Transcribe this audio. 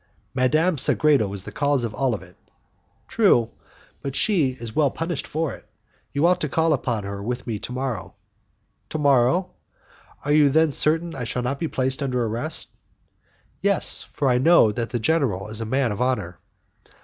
"Madame Sagredo is the cause of it all." "True, but she is well punished for it. You ought to call upon her with me to morrow." "To morrow? Are you then certain that I shall not be placed under arrest?" "Yes, for I know that the general is a man of honour."